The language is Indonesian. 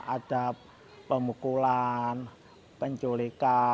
ada pemukulan penculikan